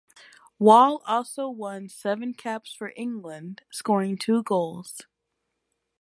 Wall also won seven caps for England, scoring two goals.